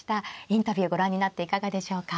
インタビューをご覧になっていかがでしょうか。